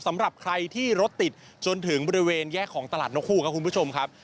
สำหรับใครที่รถติดจนถึงบริเวณแยกของตลาดนกฮูกครับคุณผู้ชมครับ